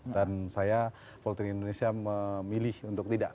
dan saya poltracking indonesia memilih untuk tidak